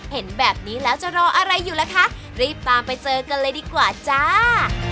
เห็นแบบนี้แล้วจะรออะไรอยู่ล่ะคะรีบตามไปเจอกันเลยดีกว่าจ้า